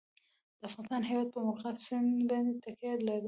د افغانستان هیواد په مورغاب سیند باندې تکیه لري.